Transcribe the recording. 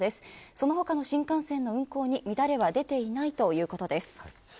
その他の新幹線の運行に乱れは出ていないということです。